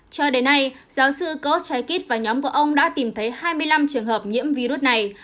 cho đến nay giáo sư koschakit và nhóm của ông đã tìm thấy hai mươi năm trường hợp nhiễm virus này